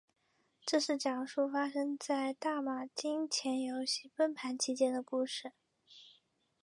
这是讲述发生在大马金钱游戏崩盘期间的故事。